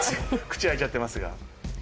口開いちゃってますが。